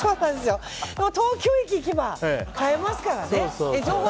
東京駅行けば買えますからね。